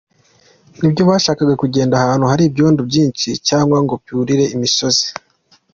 Ntibyabashaga kugenda ahantu hari ibyondo byinshi cyangwa ngo byurire imisozi.